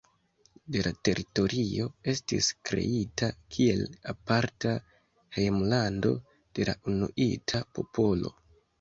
Do la teritorio estis kreita kiel aparta hejmlando de la inuita popolo.